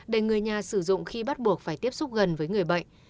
để người nhà sử dụng khi bắt buộc phải tiếp xúc gần với người bệnh